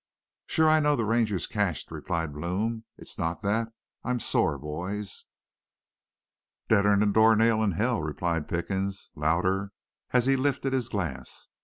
"'Sure. I know the Ranger's cashed,' replied Blome. 'It's not that. I'm sore, boys.' "'Deader 'n a door nail in hell!' replied Pickens, louder, as he lifted his glass.